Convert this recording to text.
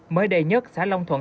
mới đầy nhất xã long thuận